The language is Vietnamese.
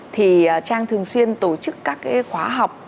thì trang thường xuyên tổ chức các khóa học